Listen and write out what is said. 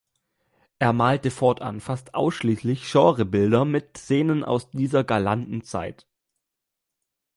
Er malte fortan fast ausschließlich Genrebilder mit Szenen aus dieser „galanten“ Zeit.